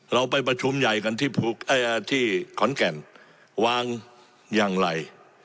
เราไปประชุมใหญ่กันที่ขอนแก่นวางอย่างไร